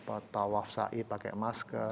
atau wafsa'i pakai masker